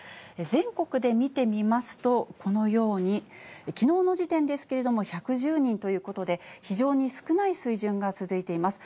全国で見てみますと、このように、きのうの時点ですけれども、１１０人ということで、非常に少ない水準が続いています。